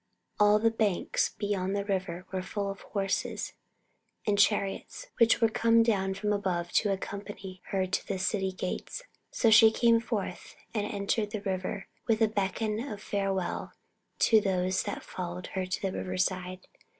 all the banks beyond the river were full of horses and chariots which were come down from above to accompany her to the City gates, so she came forth and entered the river with a beckon of farewell to those that followed her to the river side.